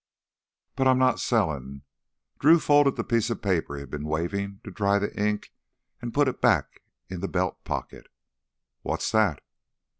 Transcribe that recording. "But I'm not sellin'." Drew folded the piece of paper he had been waving to dry the ink and put it back in the belt pocket. "What's that?"